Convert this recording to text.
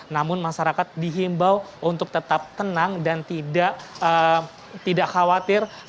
namun masyarakat dihimbau untuk tetap tenang dan tidak khawatir